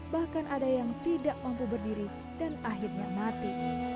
bahkan ada yang tidak mampu berdiri dan akhirnya mati